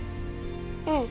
うん。